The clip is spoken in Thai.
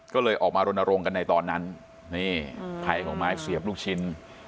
ก็เลยออกมารณรงค์กันในตอนนั้นนี่ภัยของไม้เสียบลูกชิ้น